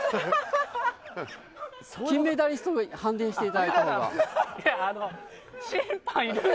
金メダリストに判定していただいたほうが。